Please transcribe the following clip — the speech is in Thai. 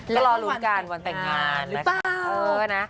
แล้วรอรุกันวันแต่งงาน